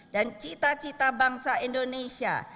dan cita cita bangsa indonesia